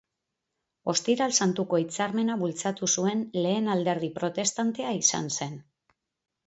Ostiral Santuko Hitzarmena bultzatu zuen lehen alderdi protestantea izan zen.